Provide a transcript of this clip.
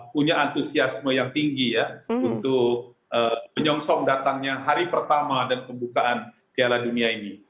punya antusiasme yang tinggi ya untuk menyongsong datangnya hari pertama dan pembukaan piala dunia ini